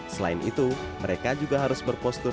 selain itu mereka juga harus berpostur